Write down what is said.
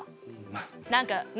何かね